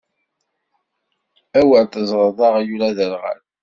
Awer teẓreḍ aɣyul aderɣal!